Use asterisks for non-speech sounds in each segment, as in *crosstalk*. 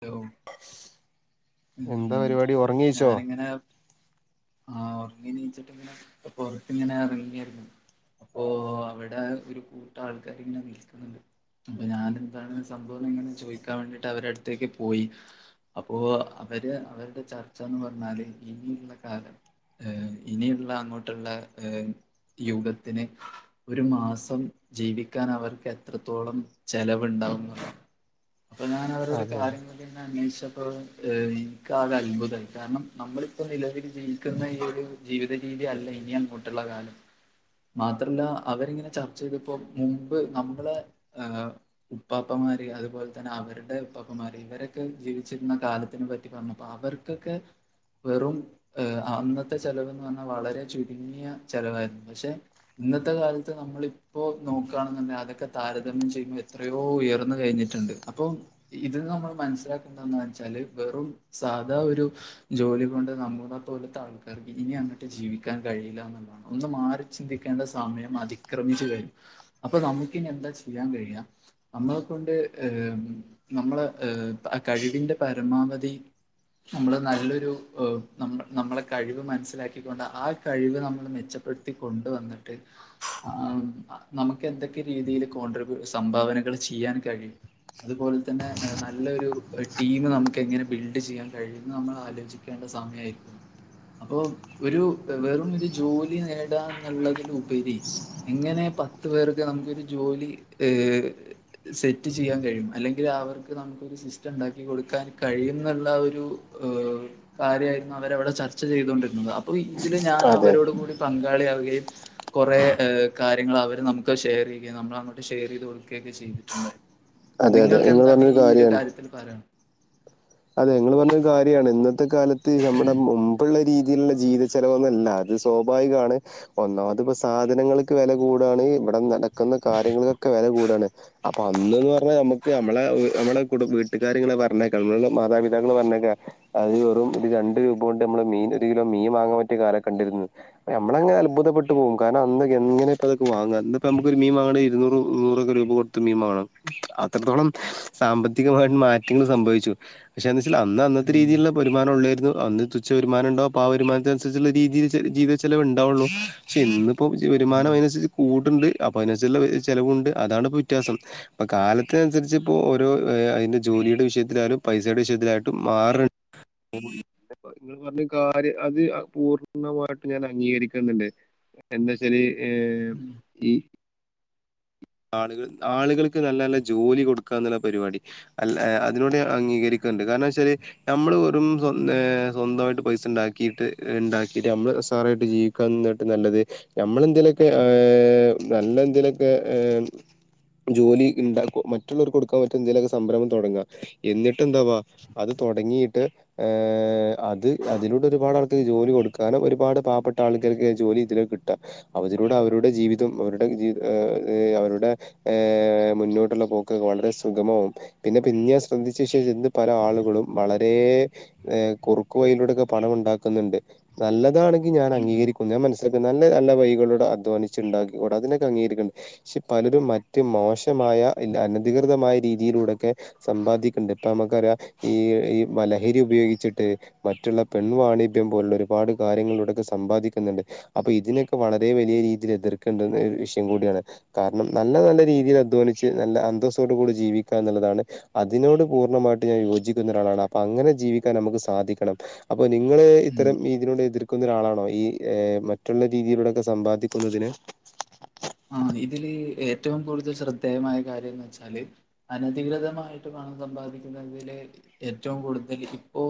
Hello ഉം എന്താ പരിപാടി ഉറങ്ങീച്ചോ ഞാനിങ്ങനെ. ആഹ് ഒറങ്ങി നീച്ചിട്ടിങ്ങനെ പൊറത്തിങ്ങനെ എറങ്ങയിരുന്നു. അപ്പൊ അവിടെ ഒരു കൂട്ട ആൾക്കാർ ഇങ്ങനെ നിൽക്കുന്നുണ്ട്. അപ്പൊ ഞാൻ എന്താണ് സംഭവം എങ്ങനെ ചോദിക്കാൻ വേണ്ടിട്ട് അവരുടെ അടുത്തേക്ക് പോയി. അപ്പോ അവര് അവരുടെ ചർച്ചന്ന് പറഞ്ഞാല് ഇനിയുള്ള കാലം. ഏ ഇനിയുള്ള അങ്ങോട്ടുള്ള ഏ യുഗത്തിന്. ഒരു മാസം ജീവിക്കാൻ അവർക്ക് എത്രത്തോളം ചെലവുണ്ടാവുന്ന അപ്പൊ ഞൻ അവരോട് അതെ അന്വേഷിച്ചപ്പോൾ എനിക്ക് അത് അത്ഭുതമായി കാരണം നമ്മളിപ്പോ നിലവിൽ ജീവിക്കുന്ന ഈ ഒരു ജീവിത രീതിയല്ല ഇനി അങ്ങങ്ങോട്ടുള്ള കാലം മാത്രല്ല അവരിങ്ങനെ ചർച്ച ചെയ്തപ്പോൾ മുമ്പ് നമ്മളെ ഏഹ് ഉപ്പാപ്പമാര് അതുപോലെ തന്നെ അവരുടെ അപ്പാപ്പൻമാര് ഇവരൊക്കെ ജീവിച്ചിരുന്ന കാലത്തിനു പറ്റി പറഞ്ഞപ്പോ അവർക്കൊക്കെ വെറും അന്നത്തെ ചെലവന്ന് പറഞ്ഞാൽ വളരെ ചുരുങ്ങിയ ചെലവായിരുന്നു പക്ഷെ ഇന്നത്തെ കാലത്ത് നമ്മൾ ഇപ്പൊ നോക്കുകയാണെന്നുണ്ടേ അതൊക്കെ താരതമ്യം ചെയ്യുമ്പോൾ എത്രയോ ഉയർന്നു കഴിഞ്ഞിട്ടുണ്ട് അപ്പൊ ഇത് നമ്മള് മനസ്സിലാക്കണ്ടന്ന് വെച്ചാല് വെറും സാധാ ഒരു ജോലി കൊണ്ട് നമ്മുടെ പോലത്തെ ആൾക്കാർക്ക് ഇനി അങ്ങട്ട് ജീവിക്കാൻ കഴില്ലന്നിള്ളതാണ് ഒന്ന് മാറി ചിന്തിക്കേണ്ട സമയം അതിക്രമിച്ചു കഴിഞ്ഞു അപ്പൊ നമുക്കിനി എന്താ ചെയ്യാൻ കഴിയാ നമ്മളക്കൊണ്ട് ഏഹ് നമ്മള് ഏഹ് ആ കഴിവിന്റെ പരമാവധി നമ്മള് നല്ലൊരു ഏഹ് നം നമ്മ്ളെ കഴിവ് മനസ്സിലാക്കിക്കൊണ്ട് ആഹ് കഴിവ് നമ്മൾ മെച്ചപ്പെട് ത്തി കൊണ്ടുവന്നിട്ട് ആഹ് നമക്ക് എന്തക്കെ രീതീല് കോൺട്രിബ്യൂ സംഭാവനകൾ ചിയ്യാൻ കഴിയും അതുപോൽതെന്നെ നല്ലൊരു ടീം നമുക്ക് എങ്ങനെ ബിൽഡ് ചെയ്യാൻ കഴിയൂന്ന് നമ്മളാലോചി കേണ്ട സമയായിരിക്കുന്നു അപ്പൊ ഒരു വെറും ഒരു ജോലി നേടാ എന്നിള്ളതിലുപരി എങ്ങനെ പത്ത് പേർക്ക് നമുക്കൊരു ജോലി ഏഹ് സെറ്റ് ചെയ്യാൻ കഴിം അല്ലെ ഇലവർക്ക് നമുക്കൊരു സിസ്റ്റംണ്ടാക്കി കൊടുക്കാൻ കഴിയുന്നിള്ള ആ ഒരു ഏഹ് കാര്യായിരുന്നു അവരവിടെ ചർച്ച ചെയ്തോണ്ടിര്ന്നത് അപ്പൊ ഇതില് ഞാൻ അതെ അവരോട് കൂടി പങ്കാളിയാവുകയും കുറേ ഏഹ് കാര്യങ്ങള് അവര് നമുക്ക് ഷെയറെയ്യുകയും നമ്മൾ അങ്ങോട്ട് ഷെയ്റെയ്ത് കൊട്ക്കേക്കെ ചെയ്തിട്ട്ണ്ട് അതെ അതെ നിങ്ങൾ എന്താണ് പറഞ്ഞൊരു ഈ ഒരു കാര്യാണ് കാര്യത്തിൽ പറ അതെ ഇങ്ങള് പർഞ്ഞൊം കാര്യാണ് ഇന്നത്തെ കാലത്ത് ഞമ്മുടെ മും മ്പുള്ള രീതീൽ ഉള്ള ജീവത ചെലവൊന്നല്ല അത് സ്വാഭാവികാണ് ഒന്നാമത് ഇപ്പ സാധനങ്ങൾക്ക് വെല കൂടാണ് ഇവടെ നടക്കുന്ന കാര്യങ്ങള് കൊക്കെ വെല കൂടാണ് അപ്പൊ അന്ന്ന്ന് പർഞ്ഞാ നമ്മക്ക് നമ്മളെ നമ്മടെ കുടു വീട്ടുകാര് ഇങ്ങനെ പറഞ്ഞേക്കൺ മാതാപിതാക്കൾ പറഞ്ഞക്കെ അത് വെറും ത് രണ്ട് രൂപോണ്ട് നമ്മള് മീൻ ഒരു കിലോ മീൻ വാങ്ങാൻ പറ്റ്യേ കാലൊക്കെണ്ടേരുന്നു നമ്മളങ്ങ അത്ഭുതപ്പെട്ട് പെട്ടുപോവും കാരണം അന്നൊക്കെ എങ്ങനെക്കതൊക്കെ വാങ്ങ ഇന്നിപ്പ നമുക്ക് ഒരു മീൻ വാങ്ങണെ ഇരൂന്നൂറ് മുന്നൂറും രൂപ കൊ തു മീൻ വാങ്ങണം അത്രത്തോളം സാമ്പത്തികമായിട്ട് മാറ്റങ്ങൾ സംഭവിച്ചു പഷേന്ന് വെച്ചാൽ അന്ന് അന്നത്തെ ഉം രീതീൽ ഉള്ള വരുമാനൊള്ളായിരുന്നു അന്ന് തുച്ഛ വരുമാനണ്ടാവും അപ്പൊ ആഹ് വരുമാൻത്തൻസരിച്ചിള്ള രീതീല് ച ജീവിത ചെലവിണ്ടാവുള്ളൂ ഷെന്ന് പ്പം വരുമാനം അയ്നൻസര്ച്ച് കൂടിണ്ട് അപ്പൊ അയ്നൻസച്ചിള്ള ചെലവുണ്ട് അതാണ് ഇപ്പോ വ്യത്യാസം ഇപ്പൊ കാലത്തിനൻസര്ച്ചിപ്പോ ഓരോ അയ്ന്റെ ജോലീടെ വിഷയത്തിലായ്ലും പൈസേടെ വിഷയ്ത്തിലായ്ട്ടു മാറ നിങ്ങൾ പർഞ്ഞ കാര്യ അത് പൂർണ്ണമായിട്ട് ഞാൻ അംഗീകരിക്ക്ന്നിണ്ട് എന്തെച്ചാല് ഏഹ് ഈ ആളികൾ ആളീകൾക്ക് നല്ല നല്ല ജോലി കൊട്ക്കാന്നിള്ള പരിപാടി അൽ എ അതിനൂട് അംഗീകരിക്കുണ്ട് കാര്ണവെച്ചാല് നമ്മള് വെറും സ്വന്ത ഏഹ് സ്വന്ത്വായ്ട്ട് പൈസണ്ടാക്കീട്ട് ഇണ്ടാക്കീട്ട് നമ്മള് സാറായിട്ട് ജീവി ക്ക ന്നിട്ട് നല്ലത് ഞമ്മളെന്തേലൊക്കെ ഏഹ് നല്ല എന്തേലൊക്കെ ഏഹ് ജോലി ഇണ്ട കോ മറ്റുള്ളോർക്ക് കൊടുക്കാൻ പറ്റെന്തേിലൊക്കെ സംരംഭം തൊടങ്ങാ എന്നിട്ടെന്താവാ അത് തൊടങ്ങീട്ട് ഏഹ് അത് അതിലൂടൊരുപാട് ആൾക്ക് ജോലി കൊടുക്കാനും ഒരുപാട് പാപ്പെട്ട ആൾക്കർക്ക് ജോലി ഇതിൽ കിട്ടാ അപതിലൂടെ അവരുടെ ജീവിതം അവരുടെ ജി ഏ ഏഹ് അവരുടെ ഏഹ് മുന്നോട്ടുള്ള പോക്കൊക്കെ വളരെ സുഗമമാവും പിന്നെ പിന്ന്യെ *unintelligible* ഇന്ന് പല ആളുകളും വള രേ ഏ കുറുക്ക് വയിലൂടൊക്കെ പണം ഉണ്ടാക്കുന്നുണ്ട് നല്ലതാണെങ്കി ഞാൻ അംഗീകരി ക്കും ഞാ മൻസിലാക്ക നല്ല നല്ല വയികളൂടെ അധ്വാനിച്ച് ഇണ്ടാക്കികോടെ അതിനൊക്കങ്ങീകരിക്കിണ് ഷെ പലരും മറ്റ് മോശമായ അനധികൃതമായ രീതിയിലൂടെക്കെ സമ്പാദിക്കിണ്ട് ഇപ്പമക്കറിയ ഈ ഈ മ ലഹരി ഉപയോഗിച്ചിട്ട് മറ്റുള്ള പെൺവാണിബ്യം പോലുള്ള ഒരുപാട് കാര്യങ്ങൾലൂടൊക്കെ ഒരുപാട് സമ്പാദിക്കിന്നിണ്ട് അപ്പ ഇതിനെക്കെ വളരെ വെലിയ രീതീലെതിർക്കെണ്ട ഒരു വിഷയം കൂടിയാണ് കാര്ണം നല്ല നല്ല രീതീൽ അധ്വാനിച്ച് നല്ല അന്തസോടു കൂടെ ജീവിക്ക എന്നിള്ളതാണ് അതിനോട് പൂർണ്ണമായിട്ട് ഞാൻ യോജിക്കുന്നൊരാളാണ് അപ്പ അങ്ങനെ ജീവിക്കാൻ നമക്ക് സാധിക്കണം അപ്പനിങ്ങള് ഉം ഇത്തരം തിനോട് എതിർക്കുന്നൊരാളാണോ ഈ മറ്റുള്ള രീതിയിലൂടെൊക്കെ സമ്പാദിക്കുന്നതിന് ആഹ് ഇതില് ഏറ്റവും കൂടുതൽ ശ്രദ്ധേയമായ കാര്യന്ന് വെച്ചാല് അനധികൃതമായിട്ട് പണം സമ്പാദിക്കുന്നതില് ഏറ്റവും കൂടുതല് ഇപ്പോ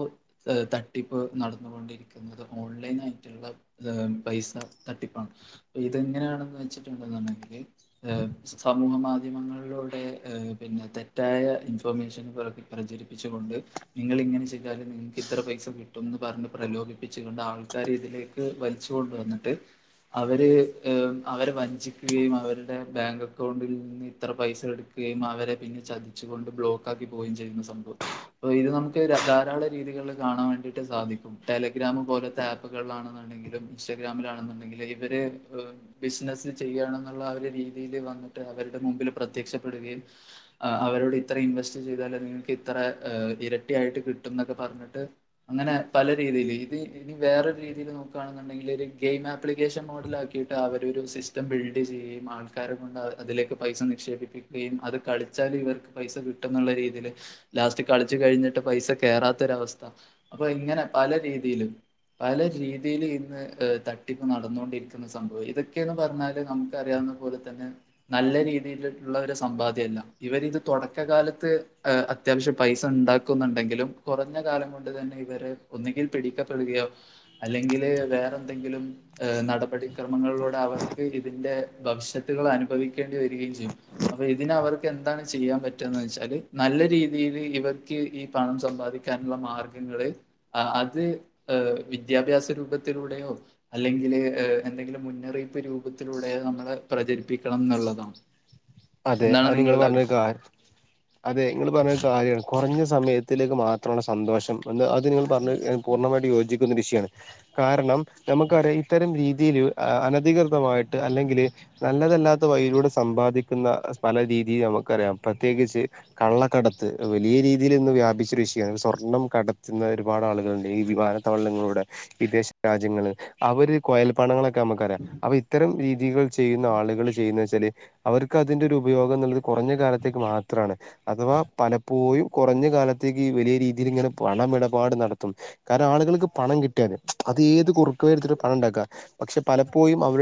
തട്ടിപ്പ് നടന്നുകൊണ്ടിരിക്കുന്നത് ഓൺലൈനായിട്ടുള്ള ഏഹ് പൈസതട്ടിപ്പാണ് ഇതെങ്ങനെയാണെന്ന് വെച്ചിട്ടുണ്ടെന്നുണ്ടെങ്കില് ഏഹ് സമൂഹ മാധ്യമങ്ങളിലൂടെഏഹ് പിന്നെ തെറ്റായ ഇൻഫർമേഷന് പുറക് പ്രചരിപ്പിച്ചുകൊണ്ട് നിങ്ങളിങ്ങനെ ചെയ്താലും ഇത്ര പൈസകിട്ടുന്ന് പറഞ്ഞ് പ്രലോഭിപ്പിച്ചുകൊണ്ട്ആൾക്കാരേ ഇതിലേ വലിച്ച് കൊണ്ടുവന്നിട്ട് അവര് ഏഹ് അവര് വ ഞ്ചിക്കുകയും അവരുടെ ബാങ്ക്ക്കൗണ്ടിൽ നിന്ന് ഇത്രപൈസ എടുക്കുകയും അവരെ പിന്നെ ചതി ച്ച്കൊണ്ട് ബ്ലോക്കാക്കി പോകുകയും ചെയ്യുന്ന സംഭവം അപ്പഇത് നമക്ക് ധാരാള രീതികള് കാണാൻ വേണ്ടിയിട്ട് സാധിക്കും ടെലിഗ്രാംപോലത്തെ ആപ്പുകളിലാണെന്നുണ്ടെങ്കിലും ഇൻസ്റ്റാഗ്രാമിലാണെന്നുണ്ടെങ്കില് ഇവര് ഏഹ് ബിസിനസ് ചെയ്യയാണെന്നുള്ള ആഒരു രീതിൽവന്നിട്ട് അവരുടെ മുമ്പിൽ പ്രത്യക്ഷപ്പെടുകയും അവരോട് ഇത്ര ഇൻവെസ്റ്റ് ചെയ്താലെ നിങ്ങൾക്കിത്ര ഇരട്ടിയായിട്ട്കിട്ടും ന്നൊക്കെ പറഞ്ഞിട്ട് അങ്ങനെ പലരീതിയില് ഇത് ഇനി വേറൊരു രീതിയില് നോക്കെണെന്ന്ണ്ടെങ്കില് ഒരു ഗെയിം ആപ്ലിക്കേഷൻ മോഡൽ ആക്കി ട്ട് അവരൊരു സിസ് തം ബിൽഡ് ചെയ്യെം ആൾക്കാരെ കൊണ്ട് അതിലേക്ക് പൈസ നിക്ഷേപിപ്പിക്ക്വെം അത് കളിച്ചാലും ഇവർക്ക് പൈസ കി കുള്ള രീതിയില് ലാസ്റ്റ് കളിച്ചു കഴിഞ്ഞിട്ട് പൈസ കേറാത്തൊരവസ്ഥ അപ്പഇങ്ങനെ പല രീതിയിലും പലരീതിയില് ഇന്ന് തട്ടിപ്പ് നടന്നൊണ്ടിരിക്കുന്ന സംഭവം ഇതൊക്കെയ പറഞ്ഞാല് നമുക്ക്റിയാവുന്ന പോലെ തന്നെ നല്ലരീതിയിലുള്ളൊരു സമ്പാദ്യല്ല ഇവരിത് തൊടക്കകാലത്ത് അത്യാവശ്യം പൈസ ഉണ്ടാക്കുന്നുണ്ടെങ്കിലും കുറഞ്ഞ കാലംകൊണ്ട് തന്നെഇവരെ ഒന്നെങ്കി പിടിക്കപ്പെടുകയോ അല്ലെങ്കില് വേറെന്തെങ്കിലും നടപടിക്രമങ്ങളിലൂടെ അവർ ഇതിന്റെ ഭവിഷ്യത്തുകൾ അനുഭവിക്കേണ്ടി വരികയും ചെയ്യും അപ്പ ഇതിനെ അവർക്ക് എന്താണ് ചെയ്യാൻ പറ്റന്ന് വെച്ചാല് നല്ല രീതിയില് ഇവർക്ക് ഈ പണം സമ്പാദിക്ക ന്നുള്ള മാർഗങ്ങള് അത് ഏഹ് വിദ്യാഭ്യാസ ത്തിലൂയോഅല്ലെങ്കില് എന്തെങ്കിലും മുന്നറിയിപ്പ് രൂ പത്തിലൂടെ നമ്മള്പ്രചരിപ്പിക്കണംന്ന്ള്ളതാ. അതെ അയിനിങ്ങൾ പറഞ്ഞക്കാര്യ അതെ ങ്ങള്പറഞ്ഞ കാര്യാണ് കൊറഞ്ഞ സമയത്തിലേക്ക് മാത്രണ്സന്തോഷം. വന്ന്അത് നിങ്ങൾ പറഞ്ഞ് ഞാൻ പൂർണ്ണായിട്ട് യോജിക്കുന്ന വിഷയാണ് കാരണം നമുക്കറിയാം ഇത്തരംരീതില് അനധികൃതമായിട്ട് അല്ലെങ്കില്നല്ലതല്ലാത്ത വഴിയിലൂടെ സമ്പാദി ക്കുന്ന പലരീതീനമക്കറിയാം പ്രത്യേകിച്ച് കള്ളക്കടത്ത് വലിയരീതിയിലിന്ന് വ്യാപിചോരു വിഷയാണ് സ്വർണം കടത്തുന്നൊരുപാടാളുകളുണ്ട് ഈ വിമാന തവളങ്ങളുടെ വിദേശരാജ്യങ്ങള് അവര് കൊയൽപ്പാണങ്ങളൊക്കെ ക്കെമ്മക്കറിയ അപ്പ ഇത്തരം രീതികൾ ചെയ്യുന്ന ആളുകള് ചെയ്യുന്നേച്ചാല് അവർക്കതിന്റൊരു ഉപയോഗംന് കൊറഞ്ഞ കാലത്തേക്ക് മാത്രാണ് അഥവാപലപ്പോയും കൊറഞ്ഞ കാല ത്തേക്ക് വലിയരീതിലിങ്ങനെ പണമിടപാട്നടത്തും കാരണം ആളുകൾക്ക് പണംകിട്ടിയാല്അത് ഏത്കുറു ക്ക് വഴിടുത്തിട്ട് പണംണ്ടാക്ക പക്ഷെ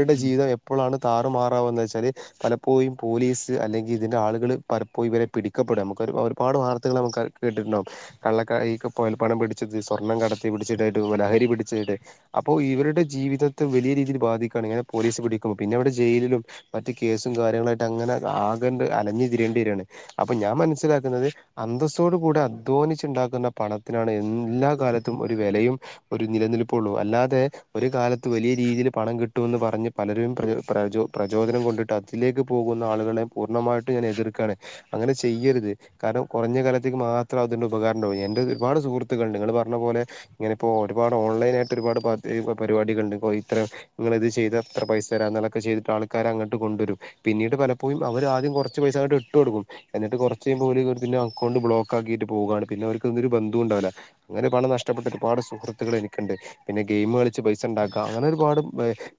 ഉം ഉം. ജീവിതംഎപ്പോഴാണ്താറുമാറാവന്ന് വെച്ചാൽ പല പ്പോയും പോലീസ്അല്ലെങ്കിതിന്റെ ആളുകള് പലപ്പോയും ഇവരെ പിടിക്കപ്പെടും നമുക്കൊരു ഒരുപാട് വാർത്തകൾ നമുക്ക് കേട്ടിട്ടുണ്ടാവും കള്ളക്കപോയൽപണം പിടിച്ചത് സ്വർണ്ണംകടത്തിപിടിച്ചിട്ടായിട്ട് ലഹരി പിടിച്ചിട്ട് അപ്പ ഇവരുടെ ജീവിതത്തെ വലിയ രീതിയിൽ ബാധിക്കാണ് ഇങ്ങനെ പോലീസ് പിടിക്കുമ്പോ പിന്നെ അവിടെ ജയിലിലും മറ്റ് കേസും കാര്യങ്ങളായിട്ട് അങ്ങനെ ആകേണ്ട് അലഞ്ഞു തിരിയെണ്ടിരേണ് അപ്പ ഞാൻ മനസ്സിലാക്കുന്നത് അന്തസ്സോടുകൂടി അധ്വാനിച്ചുണ്ടാക്കുന്ന പണത്തിനാണ്എല്ലാകാലത്തുംഒരു വെലയും ഒരുനിലനിൽപ്പൊള്ളൂ അല്ലാതെ ഒരു കാലത്ത് വലിയ രീതിയില് പണം കിട്ടൊന്ന് പറഞ്ഞ പലരുംപ്രപ്രചോ പ്രചോദനം കൊണ്ടിട്ട് അതിലേക്ക് പോകുന്ന ആളുകളെ പൂർണ്ണമായിട്ടുംഞാൻ എതിർക്കെണ് അങ്ങനെ ചെയ്യരുത് കാരണം കൊറഞ്ഞ കാലത്തേക്ക് മാത്രം അതിന്റെ ഉപകാരണ്ടാവും എന്റെ ഒരുപാട് സുഹൃത്തുക്കള്ണ്ട് നിങ്ങൾ പറഞ്ഞ റഞ്ഞ പോലെ ഇങ്ങനെ ഇപ്പോ ഒരുപാട് ഓൺലൈൻ ആയിട്ട് ഒരുപാട് പതിപ്പരിപാടികൾ ഇണ്ട് ഇ നിങ്ങൾ ഇത് ചെയ്ത് എത്ര പൈസ യരാം എന്നങ്ങളൊക്കെ ചെയ്തിട്ട് ആൾക്കാര് അങ്ങട്ട് കൊണ്ടരും. പിന്നീട് പലപ്പോഴും അവര് ആദ്യം കൊറച്ച് പൈസ അങ്ങ്ട്ട് ഇട്ട് കൊടുക്കും. എന്നിട്ട് കൊറച്ചേയ്മ്പം ഓല്ക് അക്കൗണ്ട് ബ്ലോക്ക് ആക്കിട്ട് പോവാണ് പിന്നെ അവർക്ക് ഒരു ബന്തൊണ്ടാവൂല. അങ്ങനെ പണം നഷ്ടപ്പെട്ട ഒരുപാട് സുഹൃത്തുക്കൾ എനിക്ക്ണ്ട് പിന്നെ ഗയ്മ് കളി ച്ച്പൈസണ്ടാക്ക അങ്ങനെ ഒരുപാട്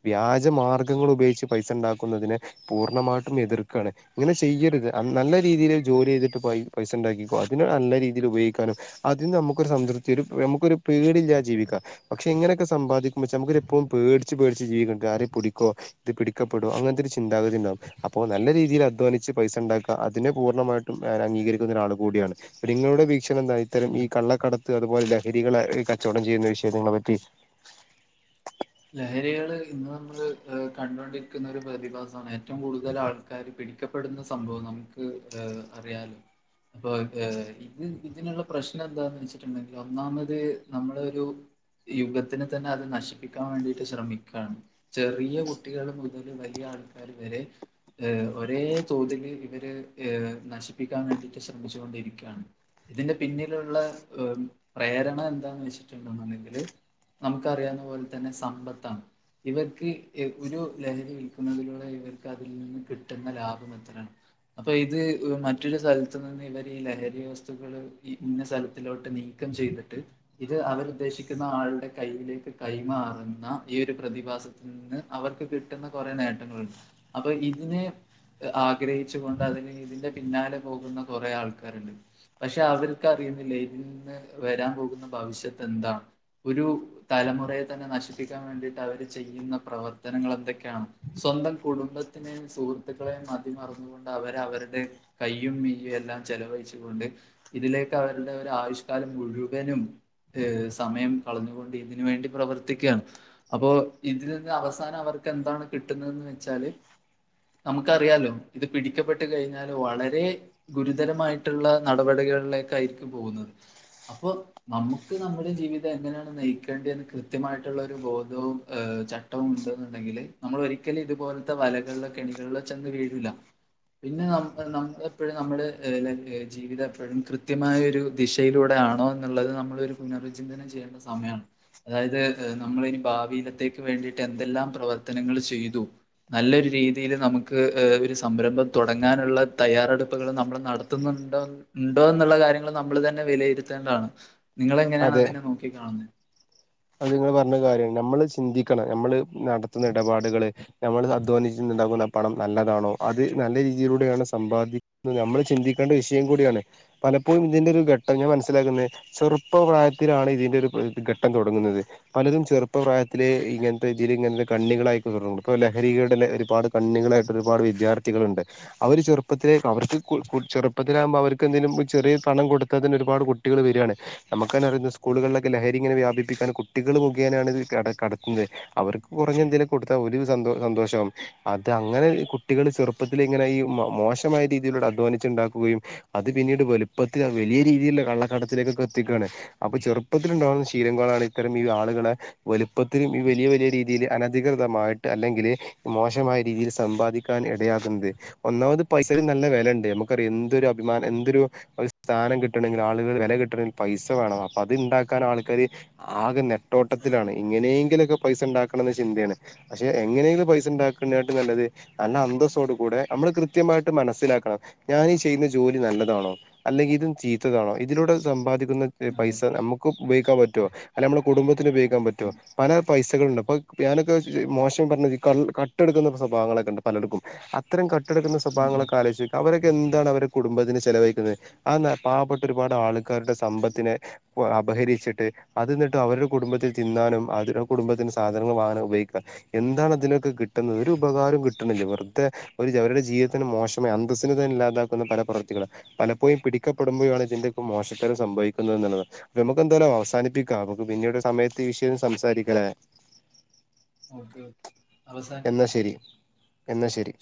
വ്യാജ മാർഗ്ഗങ്ങൾ ഉപയോഗിച്ച് പൈസണ്ടാക്കുന്നതിനെ പൂർണ്ണമായിട്ടും എതിർക്കാണ്. ഇങ്ങനെ ചെയ്യര്ത് നല്ല രീതിയിൽ ജോലി ചെയ്തിട്ട് പൈപൈസ ണ്ടാക്കിക്കോ അതിന് നല്ല രീതിയിൽ പയോഗിക്കാനും അതി നമുക്കൊരു സംതൃപ്തില് നമുക്കൊരു പേടില്ലാജീവിക്കാ. പക്ഷെ എങ്ങനെക്കെ സമ്പാദിക്കുമ്പോെനമുക്കെരു എപ്പോം പേടിച്ച് പേടിച്ച് ജീവക്കെ ആരെ പിടിക്കോ ഇത് പിടിക്കപ്പെടോ അങ്ങനത്തെ ഒരു ചിന്താഗതി ഇണ്ടാവും. അപ്പൊ നല്ല രീതിയിൽ അധ്വാനിച്ച് പൈസ ഇണ്ടാക്ക അതിനെ പൂർണ്ണമായിട്ടും ഞാന അംഗീകരിക്കുന്ന ഒരാളും കൂടിയാണ്. നിങ്ങളുടെ വീക്ഷണം എന്താ ഇത്തരം ഈ കള്ളക്കടത്ത് അതുപോലെ ലഹരികളെക് കച്ചോടം ചെയ്യുന്ന വിഷയങ്ങളെ പറ്റി ലഹരികള് ഇന്ന് നമ്മള് കണ്ടൊണ്ടിരിക്കുന്ന ഒരു പ്രതിഭാസമാണ് ഏറ്റവും കൂടുതൽ ആൾ എല്ലാരും പിടിക്കപ്പെടുന്ന സംഭവം നമുക്ക് ഏ അറിയാലോ.. അപ്പൊ ഏ ഇത് ഇതിനുള്ള പ്രശ്നം എന്താന്ന് വെച്ചിട്ട്ണ്ടെങ്കിൽ ഒന്നാമത് നമ്മള്ഒരു യുഗത്തിനെ തന്നെ അത് നശിപ്പിക് കാണ്ടിട്ട് ശ്രമിക്കാണ് ചെറിയ കുട്ടികൾ മുതൽ വലിയ ആൾക്കാര് വരെ ഒരേ തോതില് ഇവര് ഏ നശിപ്പിക്കാൻ വേണ്ടിയിട്ട് ശ്രമിച്ചു കൊണ്ടിരിക്കാണ്. ഇതിന്റെ പിന്നിലുള്ള പ്രേരണ എന്താന്ന് വെച്ചിട്ടുണ്ടെന്നുണ്ടെങ്കില് നമുക്കറിയാവുന്ന പോലെ തന്നെ സമ്പത്താണ്. ഇവർക്ക് എ ഒരു ലഹരി വിൽക്കുന്നതിലൂടെ ഇവർക്ക് അതിൽ നിന്ന് കിട്ട്ന്ന ലാഭം എ എത്രണ്? അപ്പൊ ഇത് മറ്റൊരു സ്ഥലത്ത് ന്ന് ഇവര് ഈ ലഹരി വസ്തുക്കള് ഇന്ന സ്ഥലത്തിലോട്ട് നീക് ക്കംചെയ്ത്ട്ട് ഇത് അവരു ഉദ്ദേശിക്കുന്ന ആളുടെ കയ്യിലേക്ക് കൈ മാറുന്ന ഈ ഒരു പ്രതിഭാസത്ത്ന്ന് അവർക്ക് കിട്ട്ന്ന കൊറേ നേട്ടങ്ങള്ണ്ട്. അപ്പൊ ഇതിനെ. ആഗ്രഹിച്ച് കൊണ്ട് അതിന് ഇതിന്റെ പിന്നാലെ പോകുന്ന കൊറേ ആൾക്കാര്ണ്ട്. പക്ഷെ അവർക്ക് അറിയുന്നില്ല ഇതിൽ നിന്ന് വരാൻ പോകുന്ന ഭവിഷ്യത്ത് എന്താണ് ഒരു തലമുറയേ തന്നെ നശിപ്പിക്കാൻ വേണ്ടിട്ട് അവർ ചെയ്യുന്ന പ്രവർത്തനങ്ങൾ എന്തൊക്കെയാണ് സ്വന്തം കുടുംബ ത്തിനെയും സുഹൃത്തുക്കളെയും മതിമറന്നുകൊണ്ട് അവര് അവരുടെ കൈയും മെയ്യും എല്ലാം ചെലവഴിച്ചു കൊണ്ട് ഇതിലേക്ക് അവരുടെ ഒരു ആവിഷ്കാലം മുഴുവനും. ഹ് സമയം കളഞ്ഞുകൊണ്ട് ഇതിനുവേണ്ടി പ്രവർത് ത്തിക്കയാണ് അപ്പോ ഇതിൽ നിന്ന് അവസാനം അവർക്ക് എന്താണ് കിട്ടുന്നെന്ന് വെച്ചാല് നമുക്കറിയാലോ ഇത് പിടിക്കപ്പെട്ട് കഴിഞ്ഞാല് വളരെ ഗുരുതരമായിട്ടുള്ള നടപടികളിലേക്കായിരിക്കും പോകുന്നത്. അപ്പൊ നമുക്ക് നമ്മുടെ ജീവിതെഎങ്ങനെയാണ് നയിക്കേണ്ട്യന്ന് കൃ ത്യമായിട്ട്ള്ളരു ബോധവും ഏ ചട്ടവും ഉണ്ട് ന്ന്ണ്ടെങ്കില് നമ്മൾ ഒരിക്കലും ഇതുപോലെ ത്തെ വലകള് കെണികള് ചെന്ന് വീഴൂല്ല. പിന്നെ നമ്മ നമ്മ് എപ്പോഴും നമ്മടെ ഏഹ് ജീവിതം എപ്പോഴും കൃത്യമായരു ദിശയിലൂടെ ആണോ എന്നുള്ളത് നമ്മളൊ ഒരു പുനർവിചിന്തനം ചെയ്യേണ്ട സമയാണ്. അതായത് ഏഹ് നമ്മള് നി ഭാവിയിലത്തേക്ക് വേണ്ടിട്ട് എന്തെല്ലാം പ്രവർത്തനങ്ങള് ചെയ്തു. നല്ലൊരു രീതിയില് നമുക്ക് ഒരു ഏഹ് സംരംഭം തുടങ്ങാനുള്ള തയ്യാറെടുപ്പുകള് നമ്മൾ നട ത്തുന്നുണ്ടോ, ഉണ്ടോ എന്നുള്ള കാര്യങ്ങൾ നമ്മൾ തന്നെ വിലയിരുത്തേണ്ടാണ്. നിങ്ങ അതെ എങ്ങനെയാണ് അതിനെ നോക്കി കാണുന്നെ അത് നിങ്ങള്പറഞ്ഞ കാര്യാണ് നമ്മള് ചിന്തിക്കണം നമ്മള് നടത്തുന്ന ഇടപാടുകള് നമ്മൾ അധ്വാനിച്ചിണ്ടകുണ പണം നല്ലതാണോ അത് നല്ല രീതിയിലൂടെയാണ് സമ്പാദിക്കുന്നത് നമ്മൾ ചിന്തിക്കേണ്ട വിഷയം കൂടിയാണ്. പലപ്പോഴും ഇതിന്റെ ഒരു ഘട്ടം ഞാമനസ്സിലാക്കുന്നെ ചെറുപ്പപ്രായത്തിലാണ് ഇതിന്റെ ഒരു ഘട്ടം തു ടങ്ങുന്നത് പലരും ചെറുപ്പപ്രായത്തിലെ ഇങ്ങാനത്തെ ജിതി ഇങ്ങനത്തെ കണ്ണികളായികേർണുണ്ട് ഇപ്പോ ലഹരികൾ ടെ ലഹരിപാട കണ്ണികളായിട്ട് ഒരുപാട് വിദ്യാർത്ഥികള്ണ്ട് അവര് ചെറുപ്പത്തിലേക്ക് അവർക്ക് ക്കു ക്കു ചെറുപ്പത്തിലാകുമ്പോ അവർക്ക് എന്തെലും ചെറിയ പണം കൊടുത്തതിന് ഒരുപാട് കുട്ട കുട്ടികള് വരാണ് നമ്മക്ക് തന്നെ അറിയ ഇന്ന് സ്കൂളുകളിലൊക്കെഹരി ഇങ്ങെ വ്യാപി പ്പിതന്നെ കുട്ടികൾ മുഖേനെയാണ് ഇത് കെ കടത്തുന്നെ അവർക്ക് കുറഞ്ഞ എന്തേലും കൊടുത്താ ഓര് സന്തോ സന്തോഷം ആവും അത് അങ്ങനെ ഈ കുട്ടികള് ചെറുപ്പത്തിൽ ഇങ്ങനെയി മോ മോശമായ രീതിയിലൂടെ അധ്വാനിച്ചുണ്ടാക്കുകയും അത് പിന്നീട് വലുപ്പത്തിൽ വെലിയ രീതിയിലുള്ള കള്ളക്കടത്തിലേക്കൊക്കെ ത്തിക്കാണ് അപ്പൊ ചെറുപ്പത്തിലുണ്ടാാവുന്ന ശീലംങ്ങ ളാണ് ഇത്തരം ഈ ആളുകളെ വലുപ്പത്തിലും വലിയ വലിയ രീതിയിൽ അനധികൃതമായിട്ട് അല്ലെങ്കില് മോശമായ രീതിയിൽ സമ്പാദിക്ക ക്കാൻ ഇടയാക്കുന്നത്. ഒന്നാമത് പൈസക്ക് നല്ല വെലണ്ട് നമുക്കറിയാം എന്തൊരു അഭിമാനം എന്തൊരു ഒരു സ്ഥാനം കിട്ടണങ്കിൽ ആളുകൾ വില കിട്ടണമെങ്കിൽ പൈസ വേണം അപ്പൊ അത് ഇണ്ടാക്കാൻ ആള്ക്കാര് ആകെ നെട്ടോട്ടത്തിലാണ് ഇങ്ങനെയെങ്കിലൊക്കെ പൈസ ഉണ്ടാക്കണെന്ന ചിന്തേണ് പശ്ശെ എങ്ങനെങ്കിലും പൈസ ഇണ്ടാക്ക്‌ണാട്ടിം നല്ലത് നല്ല അന്തസ്സോടു കൂടെ നമ്മള് കൃത്യമായിട്ട് മനസ്സിലാക്കണം ഞാനി ചെയ്യുന്ന ജോലി നല്ലതാണോ അല്ലെങ്കിൽ ഇതും ചീത്തതാണോ ഇതിലൂടെ സമ്പാദിക്കുന്ന അതെ. പൈസ നമുക്കും ഉപയോഗിക്കാൻ പറ്റുവോ അല്ലെ നമ്മുടെ കുടുംബത്തിന് ഉയോഗിക്കാൻ പറ്റോ പല പൈസകളുണ്ട് അപ്പൊ പെ നൊക്കെ മോശം പറഞ്ഞ ക കട്ടെടുക്കുന്ന സ്വഭാവങ്ങളൊക്കെ ഉണ്ട് പലർക്കും അ ത്തരം കട്ടെടുക്കുന്ന ഉം ഉം. സ്വഭാവങ്ങളൊക്കെ ആലോചിച്ച് നോക്കിയേ അവരൊക്കെ എന്താണ് അവരുടെ കുടുംബത്തിന് ചെലവഴിക്കുന്നത് ആ ന പാവപ്പെട്ട ഒരുപാട് ആള് ക്കാരുടെ സമ്പത്തിനെ ഒ അപഹരിച്ചിട്ട് അത് ന്ന്ട്ട് അവരുടെ കുടുംബത്തിന് തിന്നാനും അതി രുടെ കുടുംബത്തിന് സാധനങ്ങൾ വാങ്ങാനും ഉപയോഗിക്കാ എന്താണ് അതിലൊക്കെ കിട്ടുന്നത് ഒരു ഉപകാരം കിട്ടണില്ല വെറുതെ ഒരു അവരുടെ ജീവിതത്തിന് മോശമായി അന്തസ്സിന് തന്നെ ഇല്ലാതാക്കുന്ന പല പ്രവൃത്തികള് പലപ്പോഴും പിടിക്കപ്പെടുമ്പോഴാണ് ഇതിന്റെക്കെ മോശത്തരം സംഭവിക്കുന്നെന്നുള്ളത് നമുക്ക് എന്ത്‌ വയാലും അവസാനിപ്പി ക്ക നമ്മക് പിന്നീട് സമയത്ത് ഈ വിഷയം സംസാരിക്കണേ ഓക്കെ ഓക്കെ. എന്നാ അവസാനിപ്പിക്കാം. ശരി എന്നാ ശരി